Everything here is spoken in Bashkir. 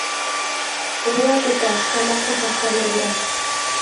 Донъя көтә, тамаҡты хәстәрләй берәү.